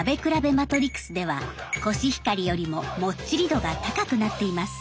マトリクスではコシヒカリよりももっちり度が高くなっています。